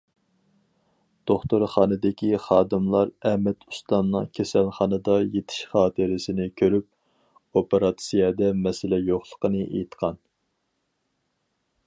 دوختۇرخانىدىكى خادىملار ئەمەت ئۇستامنىڭ كېسەلخانىدا يېتىش خاتىرىسىنى كۆرۈپ، ئوپېراتسىيەدە مەسىلە يوقلۇقىنى ئېيتقان.